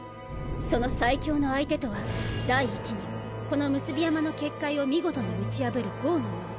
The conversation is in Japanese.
その最強の相手とは第一にこの産霊山の結界を見事に打ち破る剛の者。